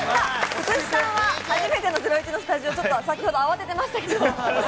福士さんは初めての『ゼロイチ』のスタジオ、ちょっと先ほど慌ててましたけど。